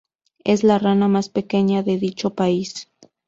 Es la rana más pequeña de dicho país.